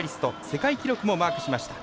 世界記録もマークしました。